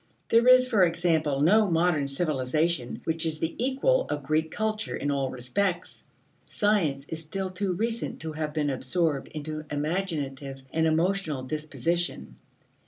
There is, for example, no modern civilization which is the equal of Greek culture in all respects. Science is still too recent to have been absorbed into imaginative and emotional disposition.